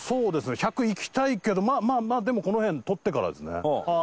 １００いきたいけどまあまあまあでもこの辺とってからですねああ